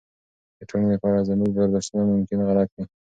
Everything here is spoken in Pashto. د ټولنې په اړه زموږ برداشتونه ممکن غلط وي.